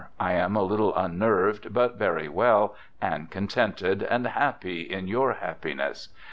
I am a little unnerved, but very well, and contented, and happy in your happiness.